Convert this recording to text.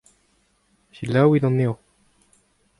Selaouit anezho.